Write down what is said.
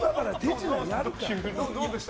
どうでした？